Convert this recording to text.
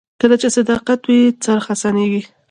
کله چې صداقت وي، خرڅ اسانېږي.